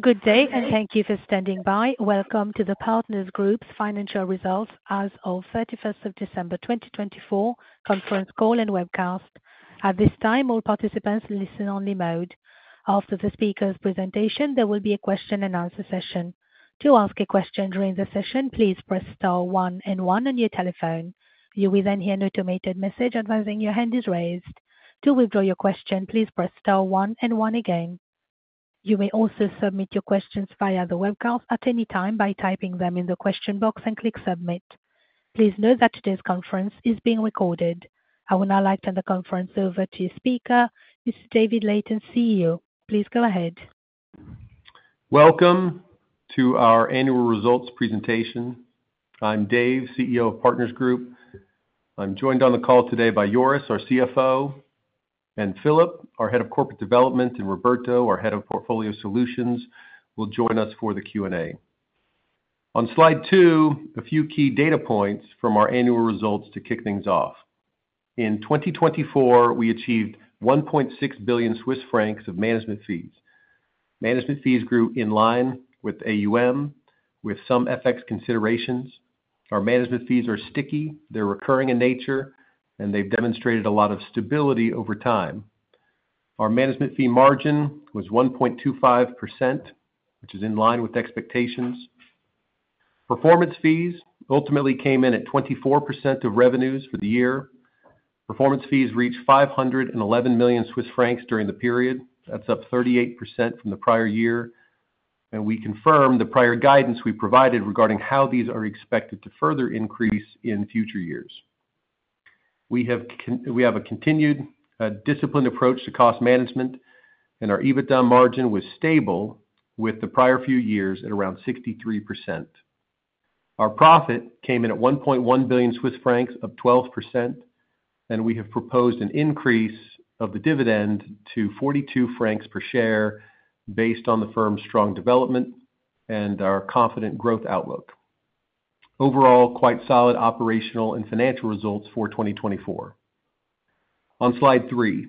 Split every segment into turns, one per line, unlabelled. Good day, and thank you for standing by. Welcome to the Partners Group's financial results as of 31st of December 2024 conference call and webcast. At this time, all participants are in listen-only mode. After the speaker's presentation, there will be a question-and-answer session. To ask a question during the session, please press star one and one on your telephone. You will then hear an automated message advising your hand is raised. To withdraw your question, please press star one and one again. You may also submit your questions via the webcast at any time by typing them in the question box and clicking submit. Please note that today's conference is being recorded. I will now like to turn the conference over to your speaker. Mr. David Layton, CEO, please go ahead.
Welcome to our annual results presentation. I'm Dave, CEO of Partners Group. I'm joined on the call today by Joris, our CFO, and Philip, our Head of Corporate Development, and Roberto, our Head of Portfolio Solutions, will join us for the Q&A. On slide 2, a few key data points from our annual results to kick things off. In 2024, we achieved 1.6 billion Swiss francs of management fees. Management fees grew in line with AUM, with some FX considerations. Our management fees are sticky. They're recurring in nature, and they've demonstrated a lot of stability over time. Our management fee margin was 1.25%, which is in line with expectations. Performance fees ultimately came in at 24% of revenues for the year. Performance fees reached 511 million Swiss francs during the period. That's up 38% from the prior year. We confirm the prior guidance we provided regarding how these are expected to further increase in future years. We have a continued disciplined approach to cost management, and our EBITDA margin was stable with the prior few years at around 63%. Our profit came in at 1.1 billion Swiss francs, up 12%, and we have proposed an increase of the dividend to 42 francs per share based on the firm's strong development and our confident growth outlook. Overall, quite solid operational and financial results for 2024. On slide 3,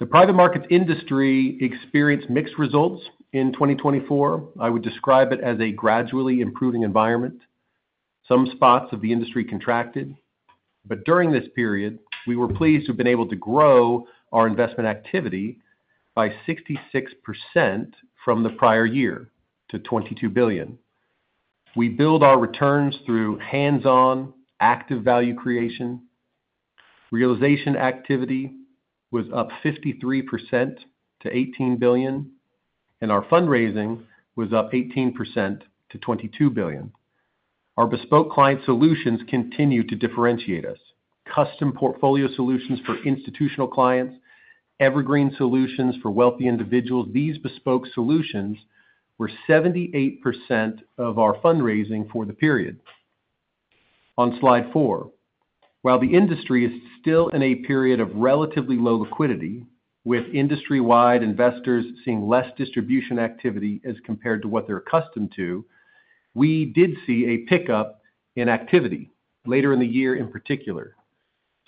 the private markets industry experienced mixed results in 2024. I would describe it as a gradually improving environment. Some spots of the industry contracted. During this period, we were pleased to have been able to grow our investment activity by 66% from the prior year to 22 billion. We build our returns through hands-on active value creation. Realization activity was up 53% to $18 billion, and our fundraising was up 18% to $22 billion. Our bespoke client solutions continue to differentiate us. Custom portfolio solutions for institutional clients, evergreen solutions for wealthy individuals, these bespoke solutions were 78% of our fundraising for the period. On slide 4, while the industry is still in a period of relatively low liquidity, with industry-wide investors seeing less distribution activity as compared to what they're accustomed to, we did see a pickup in activity later in the year in particular.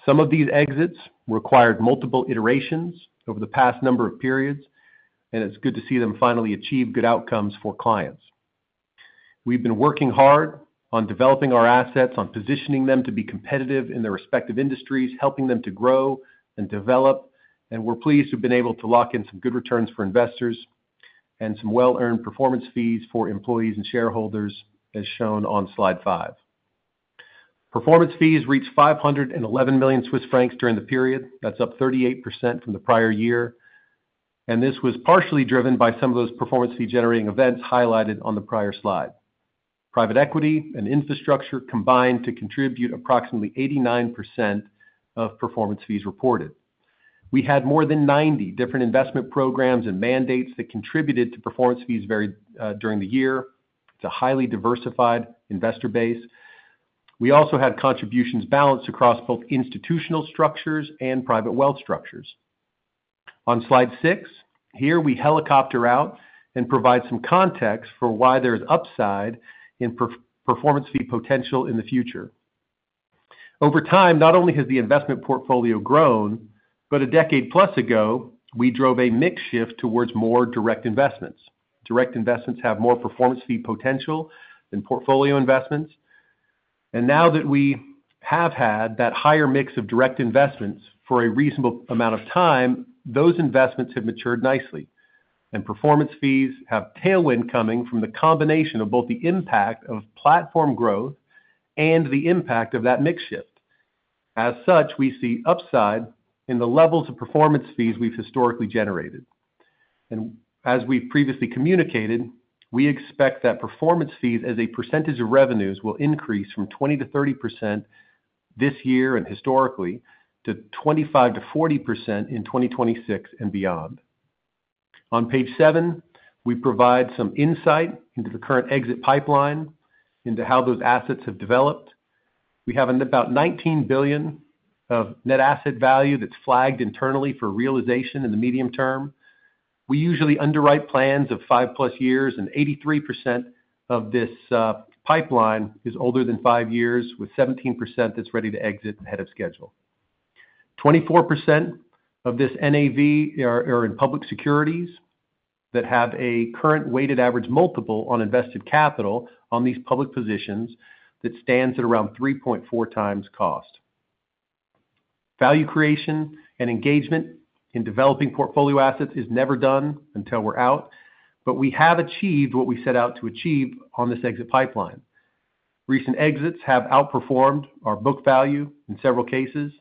Some of these exits required multiple iterations over the past number of periods, and it's good to see them finally achieve good outcomes for clients. We've been working hard on developing our assets, on positioning them to be competitive in their respective industries, helping them to grow and develop, and we're pleased to have been able to lock in some good returns for investors and some well-earned performance fees for employees and shareholders, as shown on slide 5. Performance fees reached 511 million Swiss francs during the period. That is up 38% from the prior year. This was partially driven by some of those performance fee generating events highlighted on the prior slide. Private equity and infrastructure combined to contribute approximately 89% of performance fees reported. We had more than 90 different investment programs and mandates that contributed to performance fees during the year. It is a highly diversified investor base. We also had contributions balanced across both institutional structures and private wealth structures. On slide 6, here we helicopter out and provide some context for why there is upside in performance fee potential in the future. Over time, not only has the investment portfolio grown, but a decade plus ago, we drove a mix shift towards more direct investments. Direct investments have more performance fee potential than portfolio investments. Now that we have had that higher mix of direct investments for a reasonable amount of time, those investments have matured nicely. Performance fees have tailwind coming from the combination of both the impact of platform growth and the impact of that mix shift. As such, we see upside in the levels of performance fees we've historically generated. As we've previously communicated, we expect that performance fees as a percentage of revenues will increase from 20%-30% this year and historically to 25%-40% in 2026 and beyond. On page seven, we provide some insight into the current exit pipeline, into how those assets have developed. We have about $19 billion of net asset value that's flagged internally for realization in the medium term. We usually underwrite plans of five plus years, and 83% of this pipeline is older than five years, with 17% that's ready to exit ahead of schedule. 24% of this NAV are in public securities that have a current weighted average multiple on invested capital on these public positions that stands at around 3.4 times cost. Value creation and engagement in developing portfolio assets is never done until we're out, but we have achieved what we set out to achieve on this exit pipeline. Recent exits have outperformed our book value in several cases,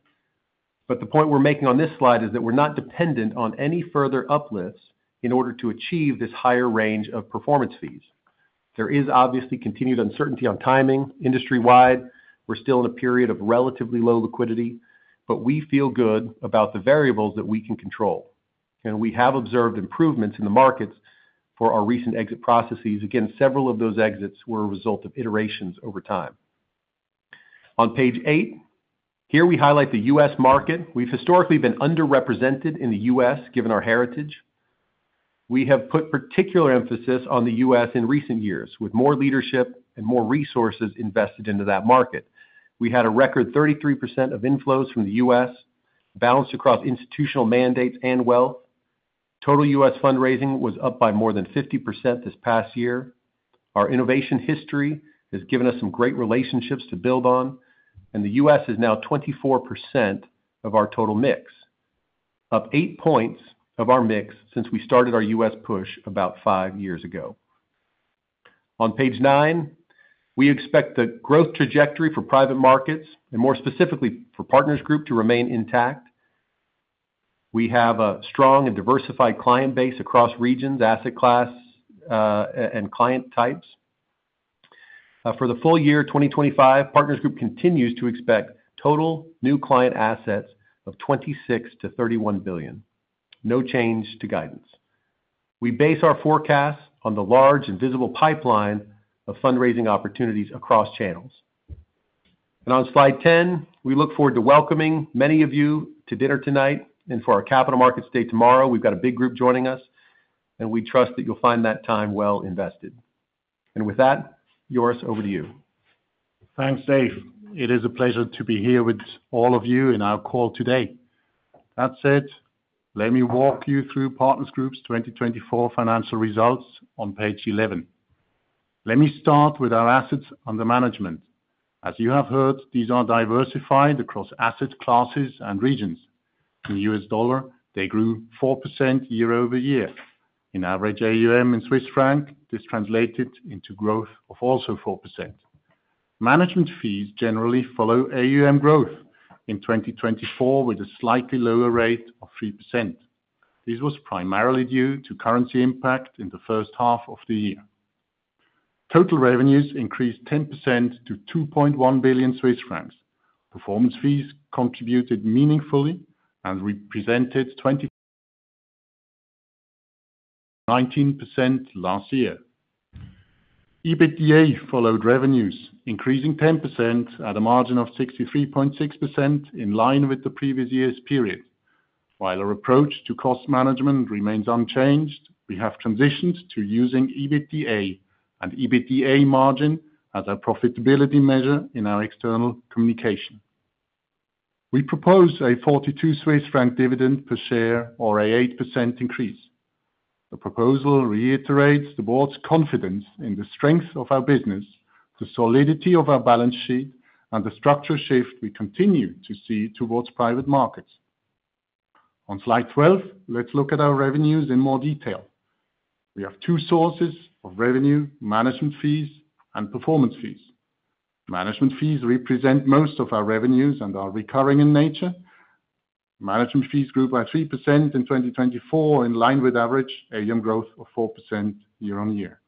but the point we're making on this slide is that we're not dependent on any further uplifts in order to achieve this higher range of performance fees. There is obviously continued uncertainty on timing. Industry-wide, we're still in a period of relatively low liquidity, but we feel good about the variables that we can control. We have observed improvements in the markets for our recent exit processes. Again, several of those exits were a result of iterations over time. On page eight, here we highlight the U.S. market. We've historically been underrepresented in the U.S. given our heritage. We have put particular emphasis on the U.S. in recent years with more leadership and more resources invested into that market. We had a record 33% of inflows from the U.S., balanced across institutional mandates and wealth. Total U.S. fundraising was up by more than 50% this past year. Our innovation history has given us some great relationships to build on, and the U.S. is now 24% of our total mix, up eight percentage points of our mix since we started our U.S. push about five years ago. On page nine, we expect the growth trajectory for private markets and more specifically for Partners Group to remain intact. We have a strong and diversified client base across regions, asset class, and client types. For the full year 2025, Partners Group continues to expect total new client assets of $26 billion-$31 billion. No change to guidance. We base our forecast on the large and visible pipeline of fundraising opportunities across channels. On slide 10, we look forward to welcoming many of you to dinner tonight and for our capital markets day tomorrow. We've got a big group joining us, and we trust that you'll find that time well invested. With that, Joris, over to you.
Thanks, Dave. It is a pleasure to be here with all of you in our call today. That said, let me walk you through Partners Group's 2024 financial results on page 11. Let me start with our assets under management. As you have heard, these are diversified across asset classes and regions. In U.S. dollar, they grew 4% year over year. In average AUM in Swiss franc, this translated into growth of also 4%. Management fees generally follow AUM growth in 2024 with a slightly lower rate of 3%. This was primarily due to currency impact in the first half of the year. Total revenues increased 10% to 2.1 billion Swiss francs. Performance fees contributed meaningfully and represented 19% last year. EBITDA followed revenues, increasing 10% at a margin of 63.6% in line with the previous year's period. While our approach to cost management remains unchanged, we have transitioned to using EBITDA and EBITDA margin as our profitability measure in our external communication. We propose a 42 Swiss franc dividend per share or an 8% increase. The proposal reiterates the board's confidence in the strength of our business, the solidity of our balance sheet, and the structural shift we continue to see towards private markets. On slide 12, let's look at our revenues in more detail. We have two sources of revenue: management fees and performance fees. Management fees represent most of our revenues and are recurring in nature. Management fees grew by 3% in 2024, in line with average AUM growth of 4% year on year.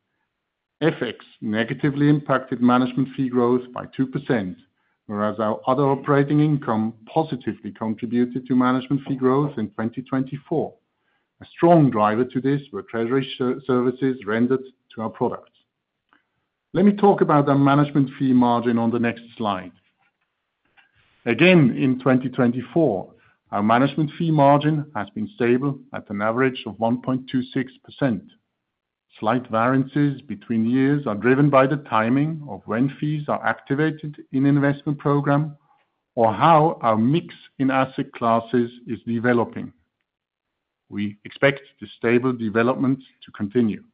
FX negatively impacted management fee growth by 2%, whereas our other operating income positively contributed to management fee growth in 2024. A strong driver to this were treasury services rendered to our products. Let me talk about our management fee margin on the next slide. Again, in 2024, our management fee margin has been stable at an average of 1.26%. Slight variances between years are driven by the timing of when fees are activated in investment programs or how our mix in asset classes is developing. We expect this stable development to continue.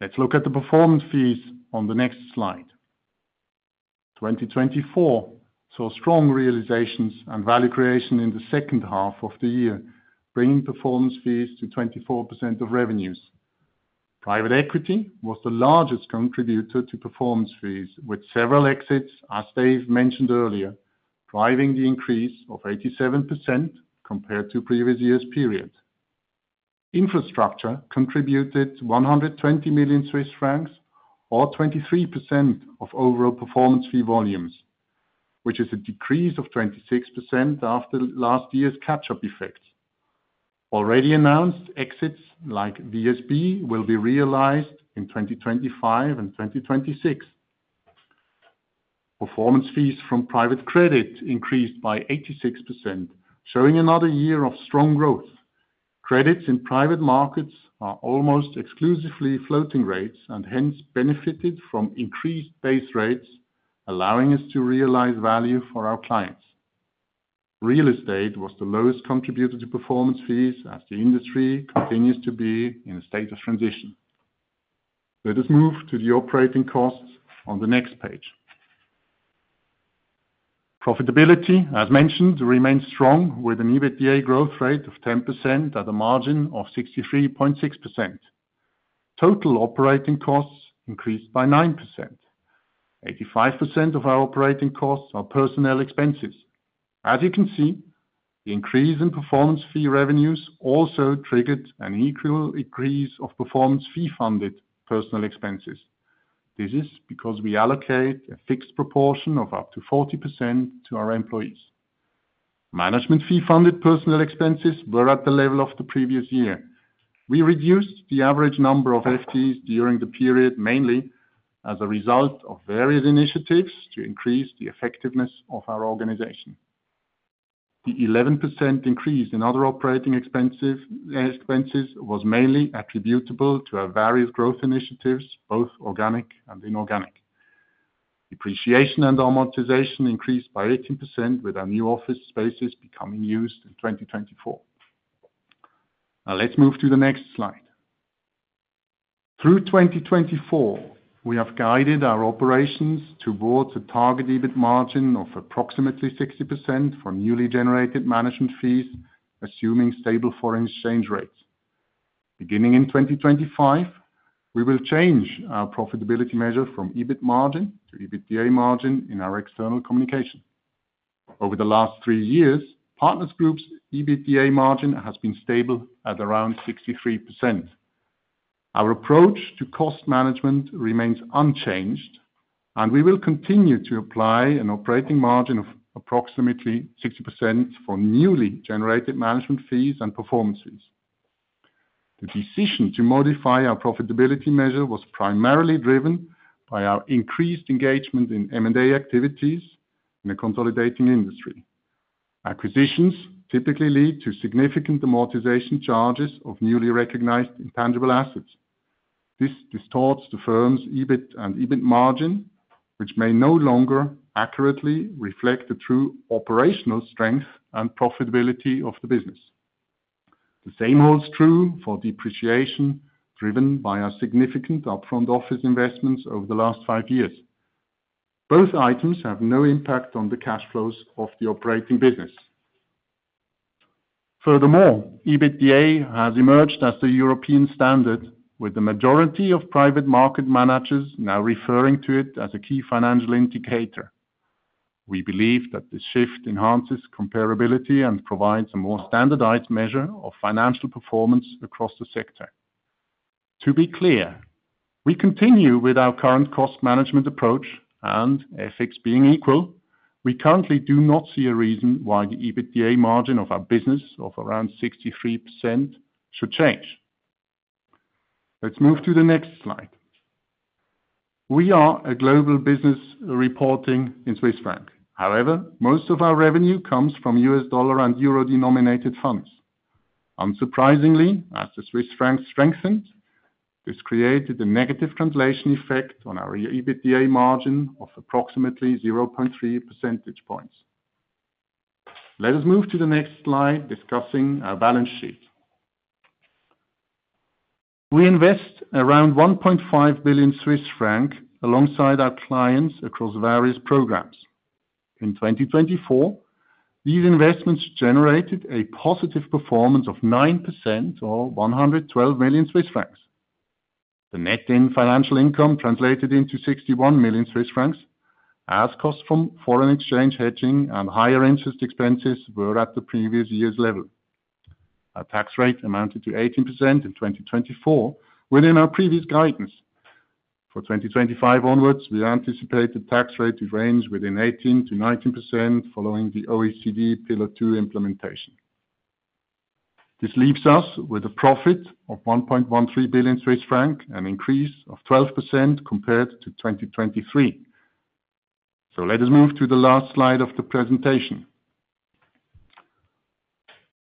Let's look at the performance fees on the next slide. 2024 saw strong realizations and value creation in the second half of the year, bringing performance fees to 24% of revenues. Private equity was the largest contributor to performance fees, with several exits, as Dave mentioned earlier, driving the increase of 87% compared to previous year's period. Infrastructure contributed 120 million Swiss francs, or 23% of overall performance fee volumes, which is a decrease of 26% after last year's catch-up effects. Already announced exits like VSB will be realized in 2025 and 2026. Performance fees from private credit increased by 86%, showing another year of strong growth. Credits in private markets are almost exclusively floating rates and hence benefited from increased base rates, allowing us to realize value for our clients. Real estate was the lowest contributor to performance fees as the industry continues to be in a state of transition. Let us move to the operating costs on the next page. Profitability, as mentioned, remains strong with an EBITDA growth rate of 10% at a margin of 63.6%. Total operating costs increased by 9%. 85% of our operating costs are personnel expenses. As you can see, the increase in performance fee revenues also triggered an equal increase of performance fee-funded personnel expenses. This is because we allocate a fixed proportion of up to 40% to our employees. Management fee-funded personnel expenses were at the level of the previous year. We reduced the average number of FTEs during the period mainly as a result of various initiatives to increase the effectiveness of our organization. The 11% increase in other operating expenses was mainly attributable to our various growth initiatives, both organic and inorganic. Depreciation and amortization increased by 18% with our new office spaces becoming used in 2024. Now let's move to the next slide. Through 2024, we have guided our operations towards a target EBIT margin of approximately 60% for newly generated management fees, assuming stable foreign exchange rates. Beginning in 2025, we will change our profitability measure from EBIT margin to EBITDA margin in our external communication. Over the last three years, Partners Group's EBITDA margin has been stable at around 63%. Our approach to cost management remains unchanged, and we will continue to apply an operating margin of approximately 60% for newly generated management fees and performance fees. The decision to modify our profitability measure was primarily driven by our increased engagement in M&A activities in a consolidating industry. Acquisitions typically lead to significant amortization charges of newly recognized intangible assets. This distorts the firm's EBIT and EBIT margin, which may no longer accurately reflect the true operational strength and profitability of the business. The same holds true for depreciation driven by our significant upfront office investments over the last five years. Both items have no impact on the cash flows of the operating business. Furthermore, EBITDA has emerged as the European standard, with the majority of private market managers now referring to it as a key financial indicator. We believe that this shift enhances comparability and provides a more standardized measure of financial performance across the sector. To be clear, we continue with our current cost management approach, and FX being equal, we currently do not see a reason why the EBITDA margin of our business of around 63% should change. Let's move to the next slide. We are a global business reporting in CHF. However, most of our revenue comes from USD and EUR denominated funds. Unsurprisingly, as the CHF strengthened, this created a negative translation effect on our EBITDA margin of approximately 0.3 percentage points. Let us move to the next slide discussing our balance sheet. We invest around 1.5 billion Swiss franc alongside our clients across various programs. In 2024, these investments generated a positive performance of 9% or 112 million Swiss francs. The net in financial income translated into 61 million Swiss francs as costs from foreign exchange hedging and higher interest expenses were at the previous year's level. Our tax rate amounted to 18% in 2024 within our previous guidance. For 2025 onwards, we anticipate the tax rate to range within 18%-19% following the OECD Pillar 2 implementation. This leaves us with a profit of 1.13 billion Swiss franc, an increase of 12% compared to 2023. Let us move to the last slide of the presentation.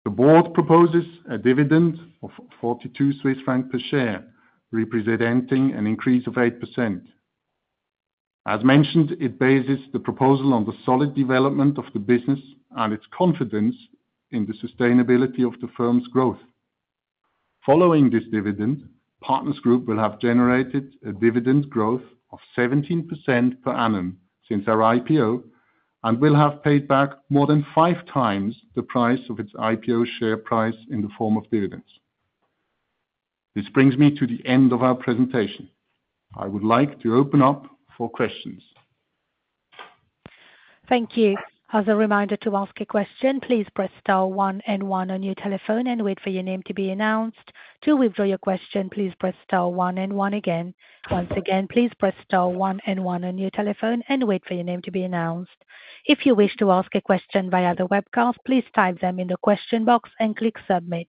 The board proposes a dividend of 42 Swiss francs per share, representing an increase of 8%. As mentioned, it bases the proposal on the solid development of the business and its confidence in the sustainability of the firm's growth. Following this dividend, Partners Group will have generated a dividend growth of 17% per annum since our IPO and will have paid back more than five times the price of its IPO share price in the form of dividends. This brings me to the end of our presentation. I would like to open up for questions.
Thank you. As a reminder to ask a question, please press star one and one on your telephone and wait for your name to be announced. To withdraw your question, please press star one and one again. Once again, please press star one and one on your telephone and wait for your name to be announced. If you wish to ask a question via the webcast, please type them in the question box and click submit.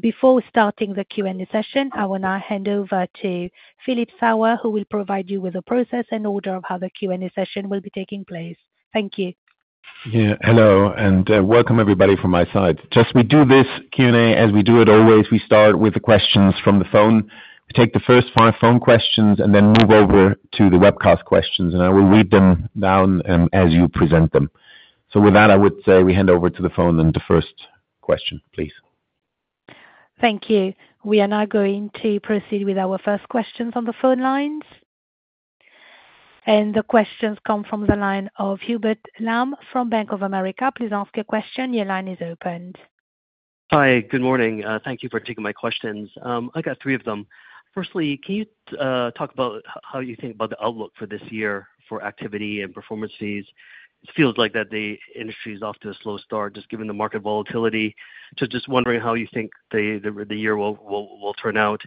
Before starting the Q&A session, I will now hand over to Philip Sauer, who will provide you with the process and order of how the Q&A session will be taking place. Thank you.
Yeah, hello and welcome everybody from my side. Just we do this Q&A as we do it always. We start with the questions from the phone. We take the first five phone questions and then move over to the webcast questions, and I will read them down as you present them. With that, I would say we hand over to the phone and the first question, please.
Thank you. We are now going to proceed with our first questions on the phone lines. The questions come from the line of Hubert Lam from Bank of America. Please ask a question. Your line is opened.
Hi, good morning. Thank you for taking my questions. I got three of them. Firstly, can you talk about how you think about the outlook for this year for activity and performance fees? It feels like that the industry is off to a slow start just given the market volatility. Just wondering how you think the year will turn out.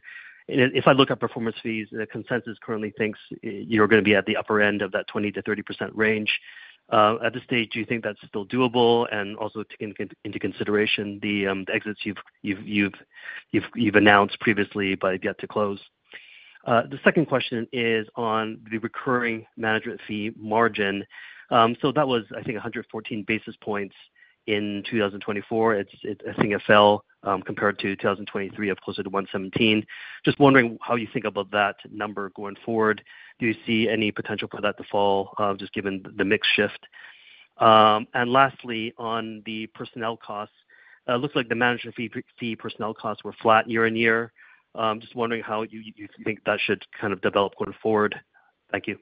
If I look at performance fees, the consensus currently thinks you're going to be at the upper end of that 20-30% range. At this stage, do you think that's still doable? Also taking into consideration the exits you've announced previously, but yet to close. The second question is on the recurring management fee margin. That was, I think, 114 basis points in 2024. I think it fell compared to 2023 of closer to 117. Just wondering how you think about that number going forward. Do you see any potential for that to fall just given the mix shift? Lastly, on the personnel costs, it looks like the management fee personnel costs were flat year on year. Just wondering how you think that should kind of develop going forward. Thank you.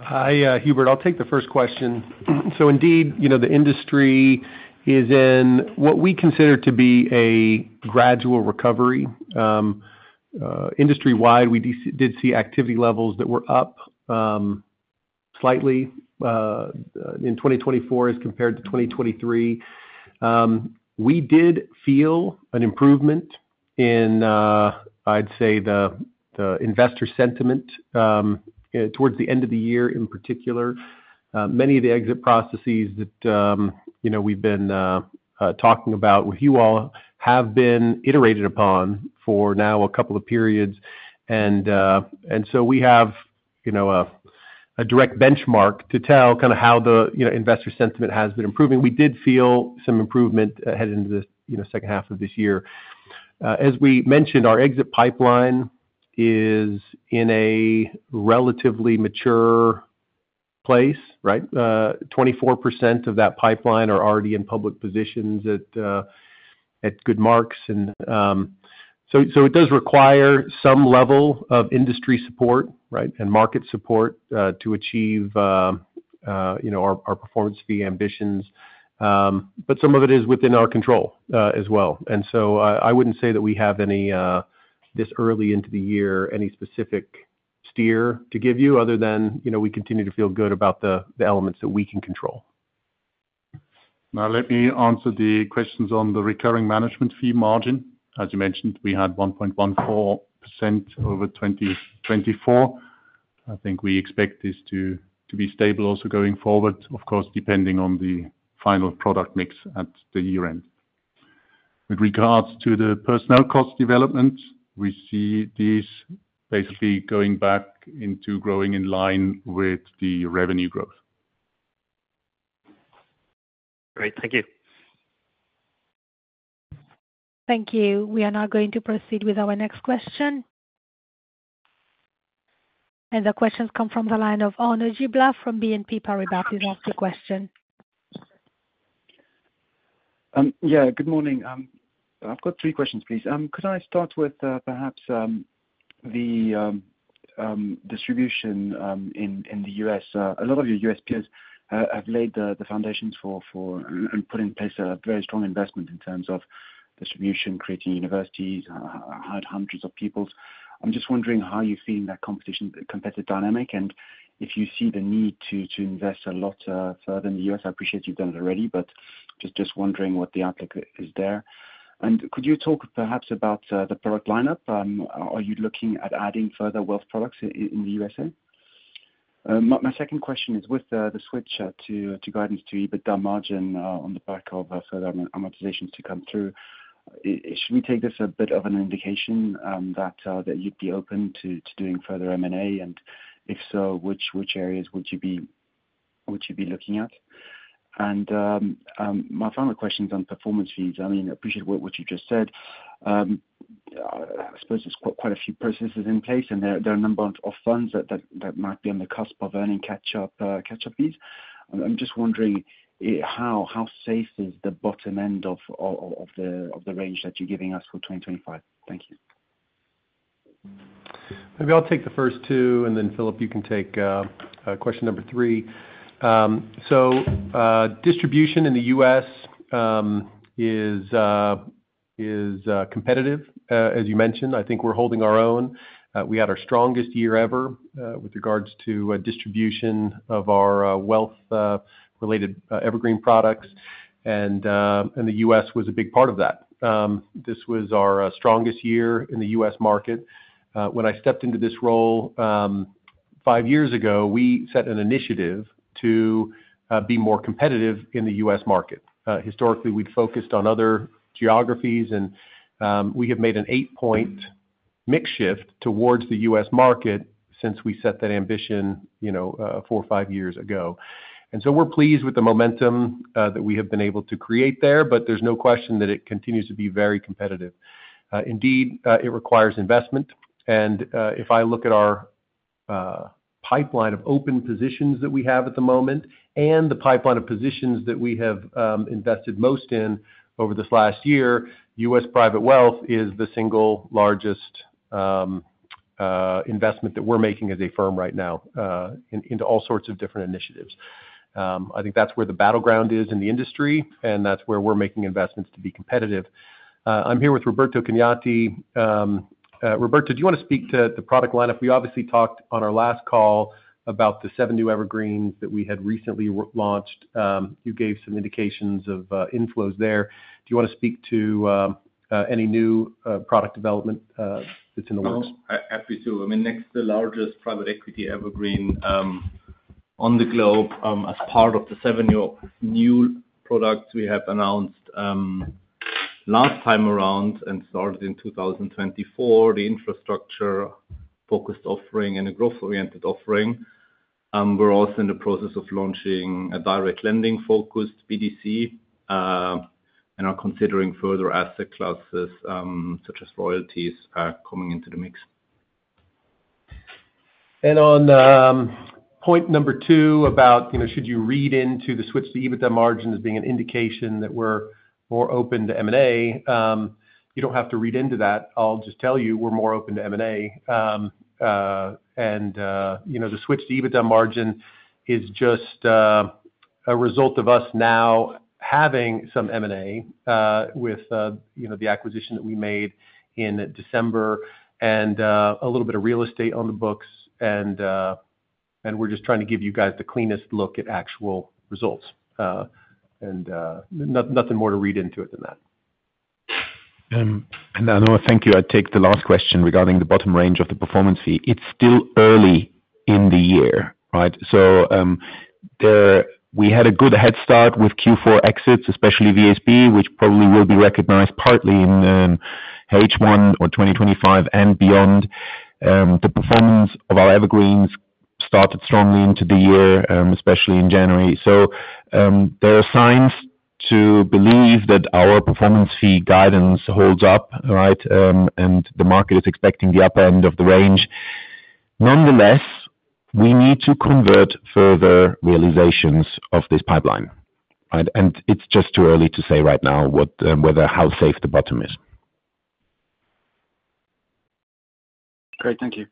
Hi, Hubert. I'll take the first question. Indeed, the industry is in what we consider to be a gradual recovery. Industry-wide, we did see activity levels that were up slightly in 2024 as compared to 2023. We did feel an improvement in, I'd say, the investor sentiment towards the end of the year in particular. Many of the exit processes that we've been talking about with you all have been iterated upon for now a couple of periods. We have a direct benchmark to tell kind of how the investor sentiment has been improving. We did feel some improvement heading into the second half of this year. As we mentioned, our exit pipeline is in a relatively mature place, right? 24% of that pipeline are already in public positions at good marks. It does require some level of industry support, right, and market support to achieve our performance fee ambitions. Some of it is within our control as well. I would not say that we have any this early into the year, any specific steer to give you other than we continue to feel good about the elements that we can control.
Now let me answer the questions on the recurring management fee margin. As you mentioned, we had 1.14% over 2024. I think we expect this to be stable also going forward, of course, depending on the final product mix at the year end. With regards to the personnel cost development, we see these basically going back into growing in line with the revenue growth.
Great. Thank you.
Thank you. We are now going to proceed with our next question. The questions come from the line of Arnaud Giblat from BNP Paribas, who's asked a question.
Yeah, good morning. I've got three questions, please. Could I start with perhaps the distribution in the U.S.? A lot of your U.S. peers have laid the foundations for and put in place a very strong investment in terms of distribution, creating universities, hired hundreds of people. I'm just wondering how you're feeling that competitive dynamic and if you see the need to invest a lot further in the U.S. I appreciate you've done it already, just wondering what the outlook is there. Could you talk perhaps about the product lineup? Are you looking at adding further wealth products in the U.S.? My second question is with the switch to guidance to EBITDA margin on the back of further amortizations to come through, should we take this as a bit of an indication that you'd be open to doing further M&A? If so, which areas would you be looking at? My final question is on performance fees. I mean, I appreciate what you just said. I suppose there are quite a few processes in place, and there are a number of funds that might be on the cusp of earning catch-up fees. I'm just wondering how safe is the bottom end of the range that you're giving us for 2025? Thank you.
Maybe I'll take the first two, and then Philip, you can take question number three. Distribution in the U.S. is competitive, as you mentioned. I think we're holding our own. We had our strongest year ever with regards to distribution of our wealth-related evergreen products, and the U.S. was a big part of that. This was our strongest year in the U.S. market. When I stepped into this role five years ago, we set an initiative to be more competitive in the U.S. market. Historically, we'd focused on other geographies, and we have made an eight-point mix shift towards the U.S. market since we set that ambition four or five years ago. We are pleased with the momentum that we have been able to create there, but there's no question that it continues to be very competitive. Indeed, it requires investment. If I look at our pipeline of open positions that we have at the moment and the pipeline of positions that we have invested most in over this last year, U.S. private wealth is the single largest investment that we're making as a firm right now into all sorts of different initiatives. I think that's where the battleground is in the industry, and that's where we're making investments to be competitive. I'm here with Roberto Cagnati. Roberto, do you want to speak to the product lineup? We obviously talked on our last call about the seven new evergreens that we had recently launched. You gave some indications of inflows there. Do you want to speak to any new product development that's in the works?
Happy to. I mean, next, the largest private equity evergreen on the globe as part of the seven new products we have announced last time around and started in 2024, the infrastructure-focused offering and a growth-oriented offering. We are also in the process of launching a direct lending-focused BDC and are considering further asset classes such as royalties coming into the mix.
On point number two about should you read into the switch to EBITDA margin as being an indication that we're more open to M&A, you don't have to read into that. I'll just tell you, we're more open to M&A. The switch to EBITDA margin is just a result of us now having some M&A with the acquisition that we made in December and a little bit of real estate on the books. We're just trying to give you guys the cleanest look at actual results. Nothing more to read into it than that.
Thank you. I take the last question regarding the bottom range of the performance fee. It is still early in the year, right? We had a good head start with Q4 exits, especially VSB, which probably will be recognized partly in H1 or 2025 and beyond. The performance of our evergreens started strongly into the year, especially in January. There are signs to believe that our performance fee guidance holds up, right? The market is expecting the upper end of the range. Nonetheless, we need to convert further realizations of this pipeline, right? It is just too early to say right now whether how safe the bottom is.
Great. Thank you.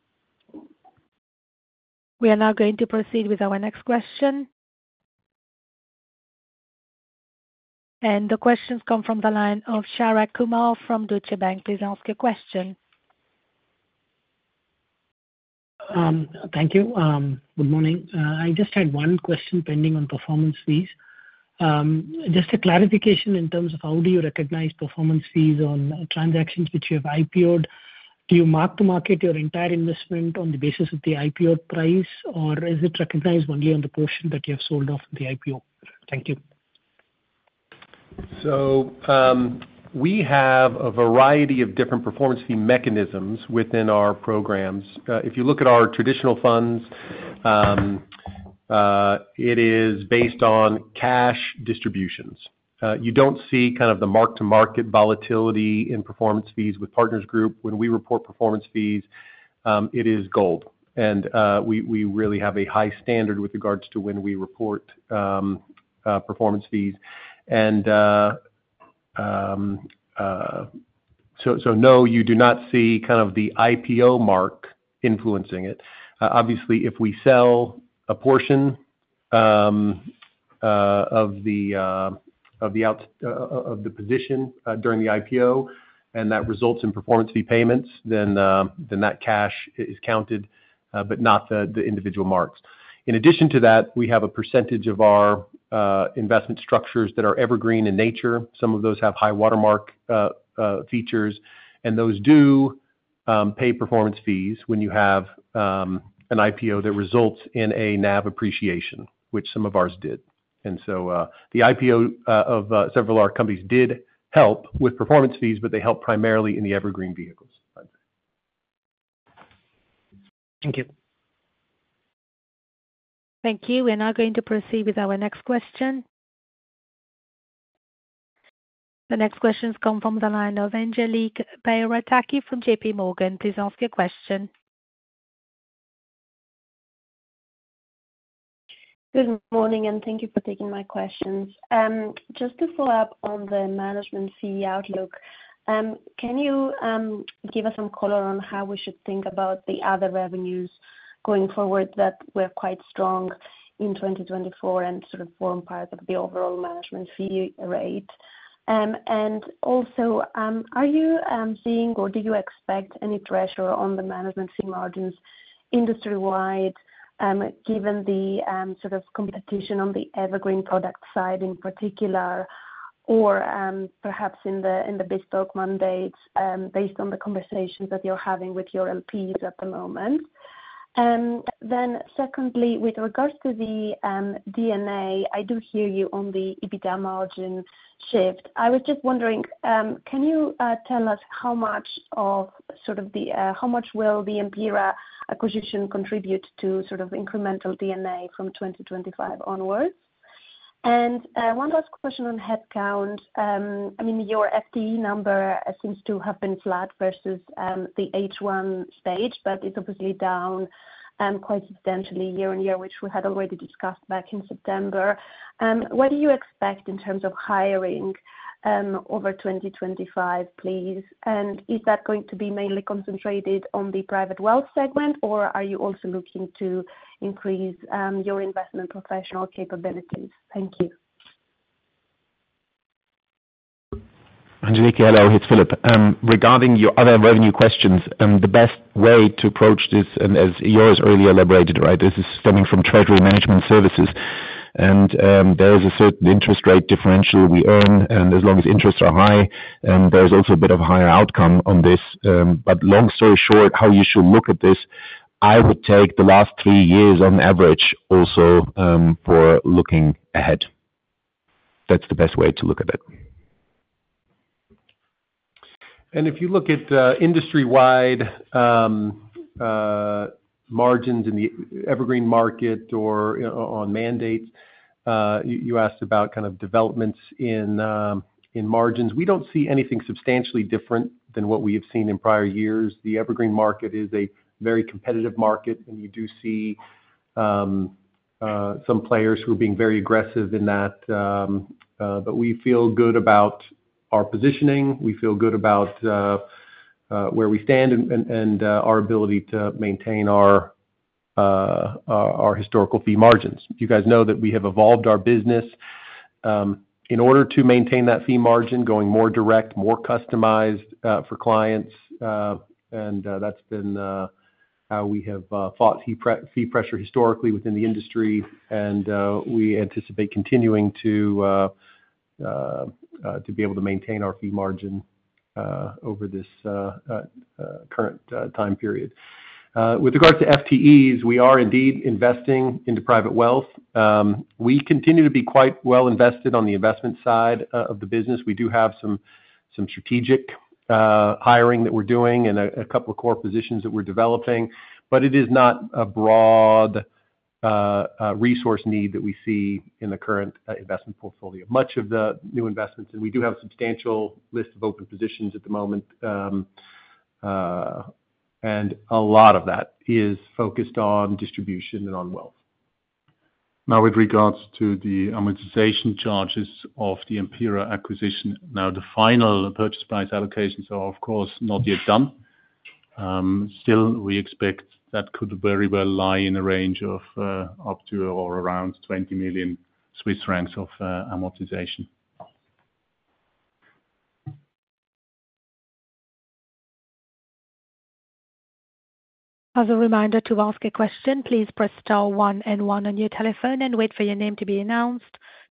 We are now going to proceed with our next question. The questions come from the line of Sharath Kumar from Deutsche Bank. Please ask a question.
Thank you. Good morning. I just had one question pending on performance fees. Just a clarification in terms of how do you recognize performance fees on transactions which you have IPO? Do you mark to market your entire investment on the basis of the IPO price, or is it recognized only on the portion that you have sold off the IPO? Thank you.
We have a variety of different performance fee mechanisms within our programs. If you look at our traditional funds, it is based on cash distributions. You do not see kind of the mark-to-market volatility in performance fees with Partners Group. When we report performance fees, it is gold. We really have a high standard with regards to when we report performance fees. No, you do not see kind of the IPO mark influencing it. Obviously, if we sell a portion of the position during the IPO and that results in performance fee payments, then that cash is counted, but not the individual marks. In addition to that, we have a percentage of our investment structures that are evergreen in nature. Some of those have high watermark features, and those do pay performance fees when you have an IPO that results in a NAV appreciation, which some of ours did. The IPO of several of our companies did help with performance fees, but they helped primarily in the evergreen vehicles.
Thank you.
Thank you. We're now going to proceed with our next question. The next questions come from the line of Angeliki Bairaktari from JPMorgan. Please ask your question.
Good morning, and thank you for taking my questions. Just to follow up on the management fee outlook, can you give us some color on how we should think about the other revenues going forward that were quite strong in 2024 and sort of form part of the overall management fee rate? Also, are you seeing or do you expect any pressure on the management fee margins industry-wide given the sort of competition on the evergreen product side in particular, or perhaps in the bespoke mandates based on the conversations that you're having with your LPs at the moment? Secondly, with regards to the D&A, I do hear you on the EBITDA margin shift. I was just wondering, can you tell us how much of sort of the how much will the Empira acquisition contribute to sort of incremental D&A from 2025 onwards? One last question on headcount. I mean, your FTE number seems to have been flat versus the H1 stage, but it is obviously down quite substantially year on year, which we had already discussed back in September. What do you expect in terms of hiring over 2025, please? Is that going to be mainly concentrated on the private wealth segment, or are you also looking to increase your investment professional capabilities? Thank you.
Angeliki, hello. It's Philip. Regarding your other revenue questions, the best way to approach this, and as yours earlier elaborated, right, this is stemming from Treasury Management Services. There is a certain interest rate differential we earn, and as long as interests are high, there's also a bit of higher outcome on this. Long story short, how you should look at this, I would take the last three years on average also for looking ahead. That's the best way to look at it.
If you look at industry-wide margins in the evergreen market or on mandates, you asked about kind of developments in margins. We do not see anything substantially different than what we have seen in prior years. The evergreen market is a very competitive market, and you do see some players who are being very aggressive in that. We feel good about our positioning. We feel good about where we stand and our ability to maintain our historical fee margins. You guys know that we have evolved our business in order to maintain that fee margin, going more direct, more customized for clients. That has been how we have fought fee pressure historically within the industry. We anticipate continuing to be able to maintain our fee margin over this current time period. With regards to FTEs, we are indeed investing into private wealth. We continue to be quite well invested on the investment side of the business. We do have some strategic hiring that we're doing and a couple of core positions that we're developing. It is not a broad resource need that we see in the current investment portfolio. Much of the new investments, and we do have a substantial list of open positions at the moment, and a lot of that is focused on distribution and on wealth.
Now, with regards to the amortization charges of the Empira acquisition, now the final purchase price allocations are, of course, not yet done. Still, we expect that could very well lie in a range of up to or around 20 million Swiss francs of amortization.
As a reminder to ask a question, please press star one and one on your telephone and wait for your name to be announced.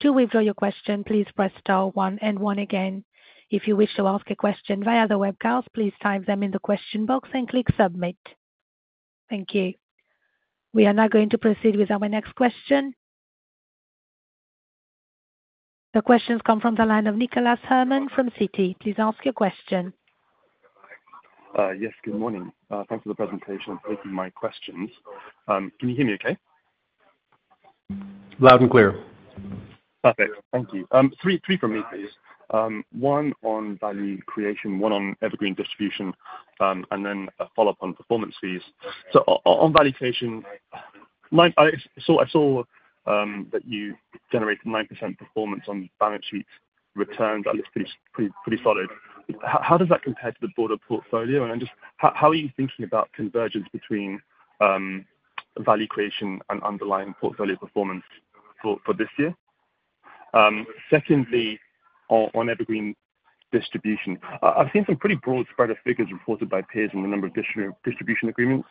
To withdraw your question, please press star one and one again. If you wish to ask a question via the webcast, please type them in the question box and click submit. Thank you. We are now going to proceed with our next question. The questions come from the line of Nicholas Herman from Citi. Please ask your question.
Yes, good morning. Thanks for the presentation and taking my questions. Can you hear me okay?
Loud and clear.
Perfect. Thank you. Three from me, please. One on value creation, one on evergreen distribution, and then a follow-up on performance fees. On value creation, I saw that you generated 9% performance on balance sheet returns. That looks pretty solid. How does that compare to the broader portfolio? Just how are you thinking about convergence between value creation and underlying portfolio performance for this year? On evergreen distribution, I've seen some pretty broad spread of figures reported by peers on the number of distribution agreements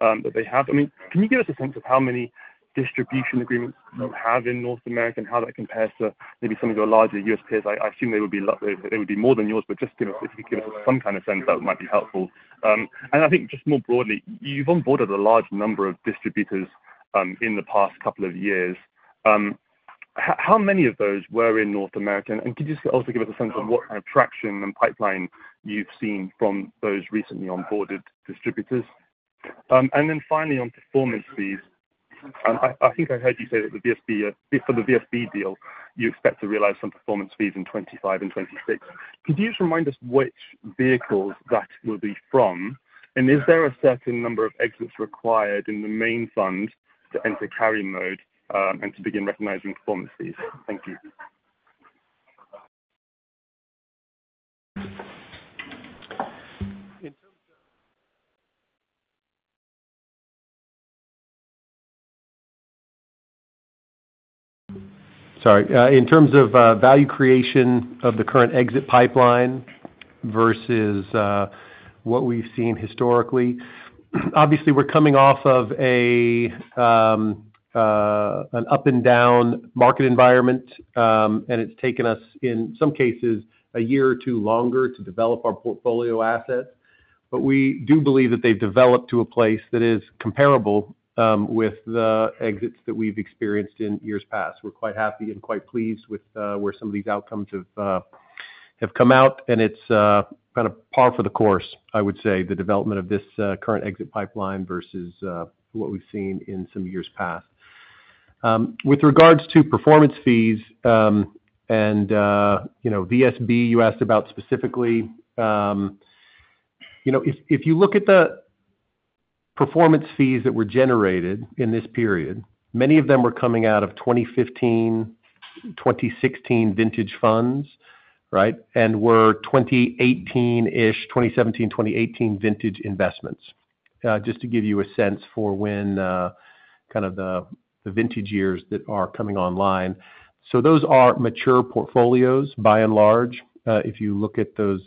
that they have. I mean, can you give us a sense of how many distribution agreements you have in North America and how that compares to maybe some of your larger U.S. peers? I assume they would be more than yours, but just if you could give us some kind of sense, that might be helpful. I think just more broadly, you've onboarded a large number of distributors in the past couple of years. How many of those were in North America? Could you also give us a sense of what kind of traction and pipeline you've seen from those recently onboarded distributors? Finally, on performance fees, I think I heard you say that for the VSB deal, you expect to realize some performance fees in 2025 and 2026. Could you just remind us which vehicles that will be from? Is there a certain number of exits required in the main fund to enter carry mode and to begin recognizing performance fees? Thank you.
Sorry. In terms of value creation of the current exit pipeline versus what we've seen historically, obviously, we're coming off of an up-and-down market environment, and it's taken us, in some cases, a year or two longer to develop our portfolio assets. We do believe that they've developed to a place that is comparable with the exits that we've experienced in years past. We're quite happy and quite pleased with where some of these outcomes have come out. It's kind of par for the course, I would say, the development of this current exit pipeline versus what we've seen in some years past. With regards to performance fees and VSB, you asked about specifically. If you look at the performance fees that were generated in this period, many of them were coming out of 2015, 2016 vintage funds, right, and were 2018-ish, 2017, 2018 vintage investments. Just to give you a sense for when kind of the vintage years that are coming online. Those are mature portfolios, by and large, if you look at those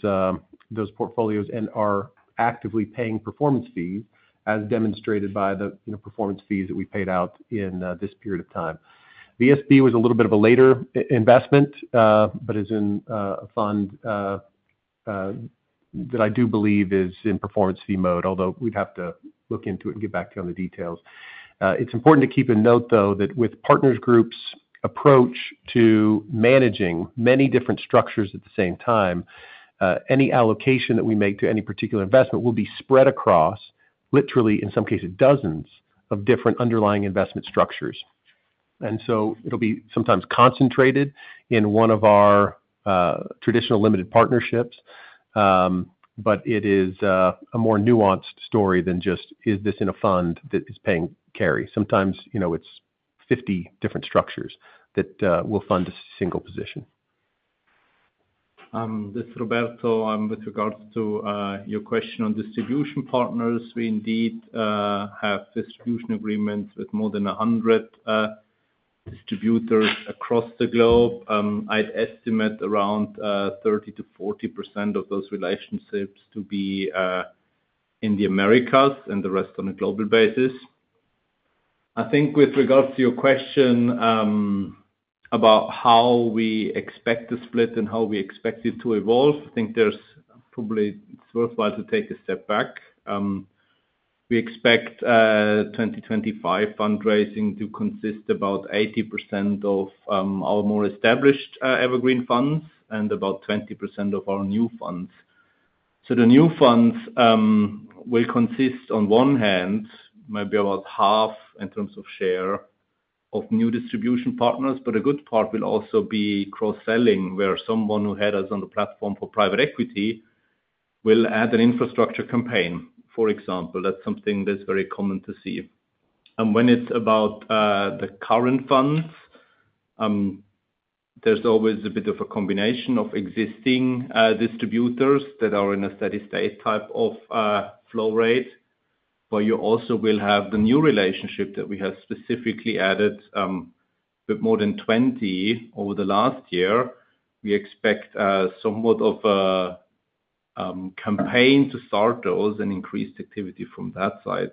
portfolios and are actively paying performance fees, as demonstrated by the performance fees that we paid out in this period of time. VSB was a little bit of a later investment, but is in a fund that I do believe is in performance fee mode, although we'd have to look into it and get back to you on the details. It's important to keep in note, though, that with Partners Group's approach to managing many different structures at the same time, any allocation that we make to any particular investment will be spread across, literally, in some cases, dozens of different underlying investment structures. It will be sometimes concentrated in one of our traditional limited partnerships, but it is a more nuanced story than just, "Is this in a fund that is paying carry?" Sometimes it is 50 different structures that will fund a single position.
This is Roberto. With regards to your question on distribution partners, we indeed have distribution agreements with more than 100 distributors across the globe. I'd estimate around 30-40% of those relationships to be in the Americas and the rest on a global basis. I think with regards to your question about how we expect the split and how we expect it to evolve, I think it's worthwhile to take a step back. We expect 2025 fundraising to consist of about 80% of our more established evergreen funds and about 20% of our new funds. The new funds will consist, on one hand, maybe about half in terms of share of new distribution partners, but a good part will also be cross-selling, where someone who had us on the platform for private equity will add an infrastructure campaign, for example. That's something that's very common to see. When it's about the current funds, there's always a bit of a combination of existing distributors that are in a steady-state type of flow rate. You also will have the new relationship that we have specifically added with more than 20 over the last year. We expect somewhat of a campaign to start those and increased activity from that side.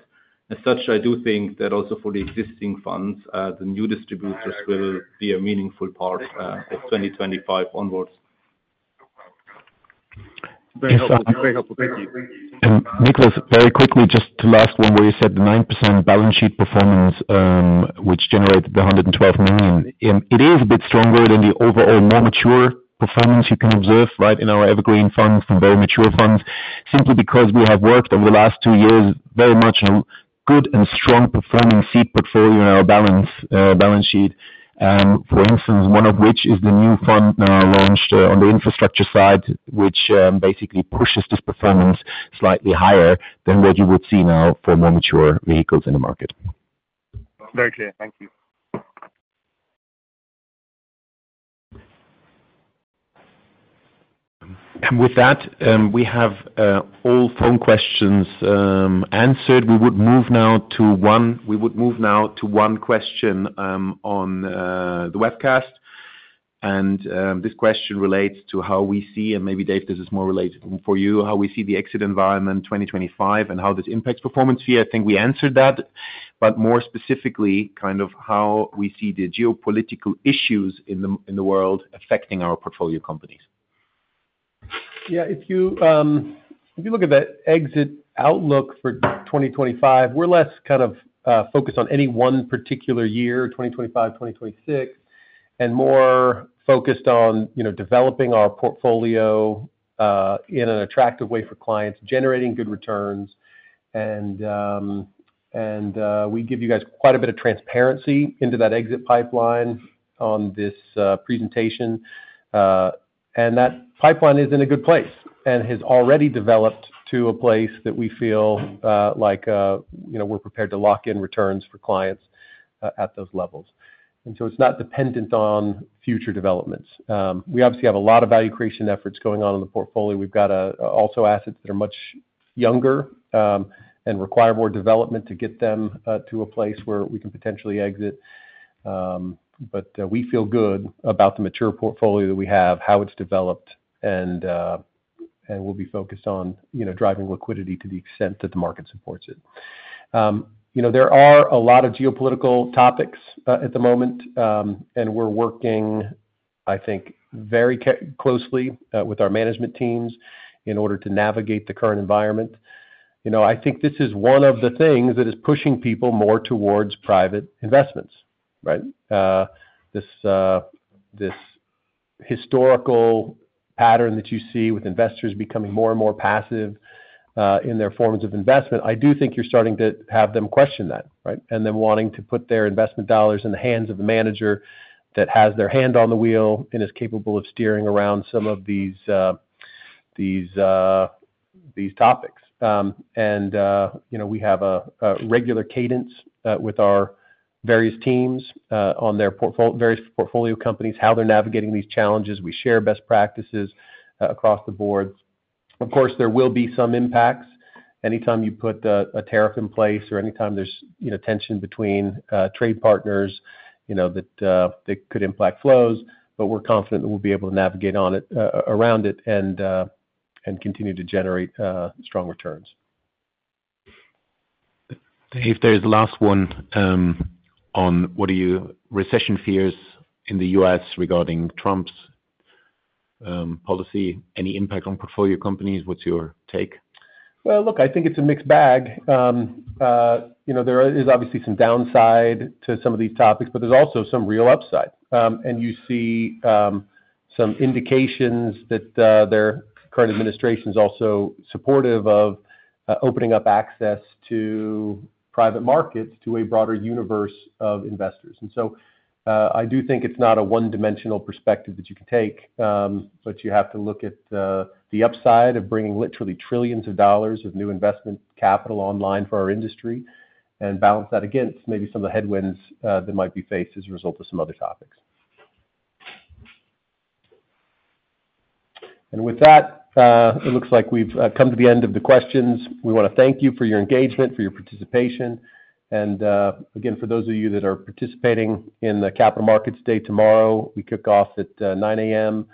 As such, I do think that also for the existing funds, the new distributors will be a meaningful part of 2025 onwards.
Very helpful. Thank you.
Nicholas, very quickly, just to last one where you said the 9% balance sheet performance, which generated the $112 million, it is a bit stronger than the overall more mature performance you can observe, right, in our evergreen funds from very mature funds, simply because we have worked over the last two years very much on a good and strong performing seed portfolio in our balance sheet, for instance, one of which is the new fund now launched on the infrastructure side, which basically pushes this performance slightly higher than what you would see now for more mature vehicles in the market.
Very clear. Thank you.
With that, we have all phone questions answered. We would move now to one question on the webcast. This question relates to how we see—and maybe, Dave, this is more related for you—how we see the exit environment 2025 and how this impacts performance fee. I think we answered that, but more specifically, kind of how we see the geopolitical issues in the world affecting our portfolio companies.
Yeah. If you look at the exit outlook for 2025, we're less kind of focused on any one particular year, 2025, 2026, and more focused on developing our portfolio in an attractive way for clients, generating good returns. We give you guys quite a bit of transparency into that exit pipeline on this presentation. That pipeline is in a good place and has already developed to a place that we feel like we're prepared to lock in returns for clients at those levels. It is not dependent on future developments. We obviously have a lot of value creation efforts going on in the portfolio. We've got also assets that are much younger and require more development to get them to a place where we can potentially exit. We feel good about the mature portfolio that we have, how it's developed, and we'll be focused on driving liquidity to the extent that the market supports it. There are a lot of geopolitical topics at the moment, and we're working, I think, very closely with our management teams in order to navigate the current environment. I think this is one of the things that is pushing people more towards private investments, right? This historical pattern that you see with investors becoming more and more passive in their forms of investment, I do think you're starting to have them question that, right, and then wanting to put their investment dollars in the hands of the manager that has their hand on the wheel and is capable of steering around some of these topics. We have a regular cadence with our various teams on their various portfolio companies, how they're navigating these challenges. We share best practices across the board. Of course, there will be some impacts anytime you put a tariff in place or anytime there's tension between trade partners that could impact flows, but we're confident that we'll be able to navigate around it and continue to generate strong returns. Dave, there is the last one on what are your recession fears in the U.S. regarding Trump's policy? Any impact on portfolio companies? What's your take? I think it's a mixed bag. There is obviously some downside to some of these topics, but there's also some real upside. You see some indications that their current administration is also supportive of opening up access to private markets to a broader universe of investors. I do think it's not a one-dimensional perspective that you can take, but you have to look at the upside of bringing literally trillions of dollars of new investment capital online for our industry and balance that against maybe some of the headwinds that might be faced as a result of some other topics. With that, it looks like we've come to the end of the questions. We want to thank you for your engagement, for your participation. Again, for those of you that are participating in the Capital Markets Day tomorrow, we kick off at 9:00 A.M.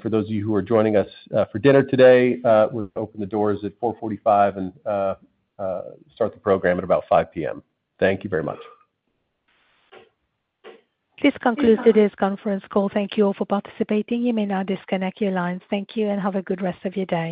For those of you who are joining us for dinner today, we will open the doors at 4:45 and start the program at about 5:00 P.M. Thank you very much.
This concludes today's conference call. Thank you all for participating. You may now disconnect your lines. Thank you and have a good rest of your day.